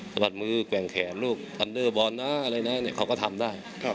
สะบัดมือแกว่งแขนลูกทันเดอร์บอลนะอะไรนะเขาก็ทำได้